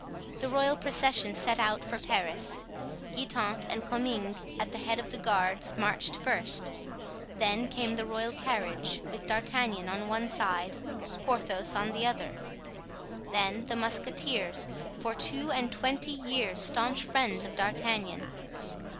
The royal procession set out for Paris. Guitant and Comminges, at the head of the guards, marched first; then came the royal carriage, with D'Artagnan on one side, Porthos on the other; then the musketeers, for two and twenty years staunch friends of D'Artagnan.